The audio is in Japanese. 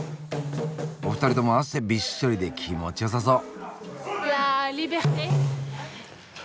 お二人とも汗びっしょりで気持ちよさそう。